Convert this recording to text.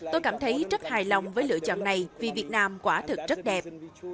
tôi cảm thấy rất hài lòng với lựa chọn này vì việt nam quả thực rất đẹp